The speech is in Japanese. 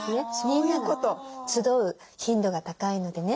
みんなが集う頻度が高いのでね。